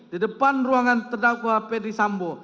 di depan ruangan terdakwa ferdisambo